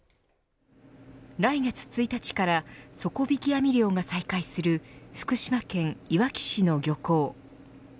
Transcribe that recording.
来月１日から底引き網漁が再開する福島県いわき市の漁港。